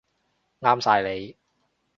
啱晒你